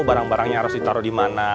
barang barangnya harus ditaro dimana